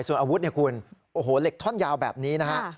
ส่วนอาวุธเนี่ยคุณโอ้โหเหล็กท่อนยาวแบบนี้นะฮะ